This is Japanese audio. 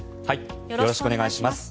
よろしくお願いします。